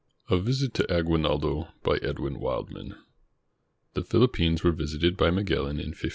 A VISIT TO AGUINALDO BY EDWIN WILDMAN [The Philippines were visited by Magellan in 1521.